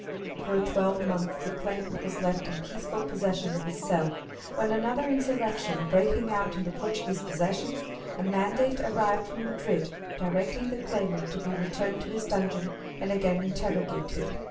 For a twelvemonth the claimant was left in peaceful possession of his cell, when another insurrection breaking out in the Portuguese possessions, a mandate arrived from Madrid, directing the claimant to be returned to his dungeon, and again interrogated.